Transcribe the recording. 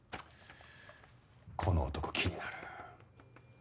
この男気になる。